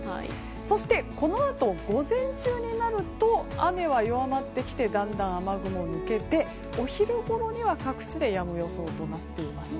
そして、このあと午前中になると雨は弱まってきてだんだん雨雲が抜けてお昼ごろには各地でやむ予想となっています。